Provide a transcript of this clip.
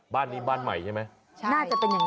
เพราะผมปวดแตน